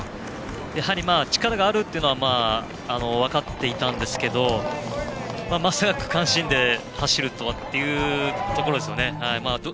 やはり力があるというのは分かっていたんですけどまさか区間新で走るとはというところですよね。